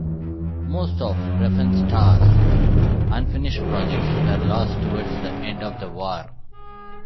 Most of Riefenstahl's unfinished projects were lost towards the end of the war.